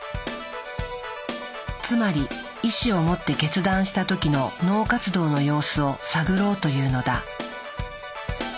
つまり意志を持って決断した時の脳活動の様子を探ろうというのだ。